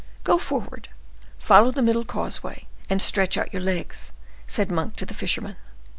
"Go forward; follow the middle causeway, and stretch out your legs," said Monk to the fisherman.